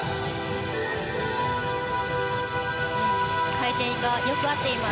回転がよく合っています。